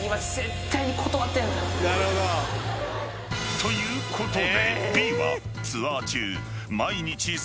［ということで］